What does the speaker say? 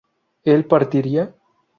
¿él partiría?